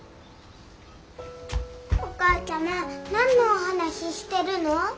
お母ちゃま何のお話してるの？